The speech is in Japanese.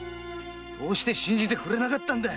どうして信じてくれなかった？